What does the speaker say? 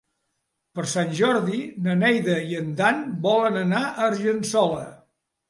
Per Sant Jordi na Neida i en Dan volen anar a Argençola.